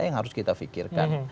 yang harus kita fikirkan